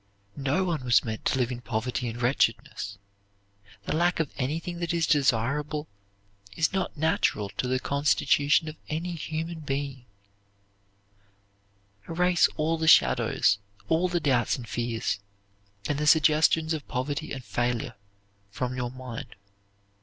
No one was meant to live in poverty and wretchedness. The lack of anything that is desirable is not natural to the constitution of any human being. Erase all the shadows, all the doubts and fears, and the suggestions of poverty and failure from your mind.